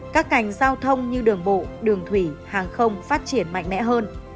các ngành giao thông như đường bộ đường thủy hàng không phát triển mạnh mẽ hơn